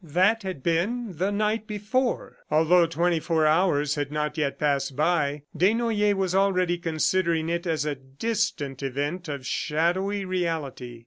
That had been the night before. Although twenty four hours had not yet passed by, Desnoyers was already considering it as a distant event of shadowy reality.